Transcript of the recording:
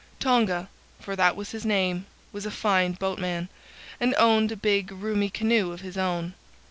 "Tonga—for that was his name—was a fine boatman, and owned a big, roomy canoe of his own.